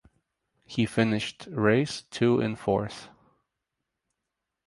He finished race two in fourth.